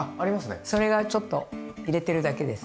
それがちょっと入れてるだけです。